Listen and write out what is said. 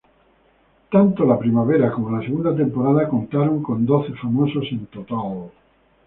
Tanto la primera como la segunda temporada contaron con doce famosos en total.